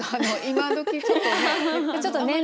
今どきちょっとね。